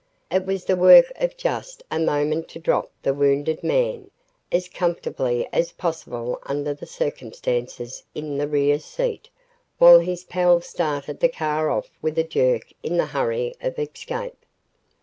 It was the work of just a moment to drop the wounded man, as comfortably as possible under the circumstances, in the rear seat, while his pals started the car off with a jerk in the hurry of escape.